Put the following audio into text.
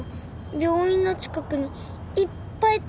病院の近くにいっぱい飛んでた。